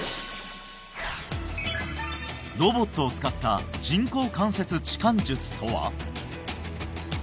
ロボットを使った人工関節置換術とは？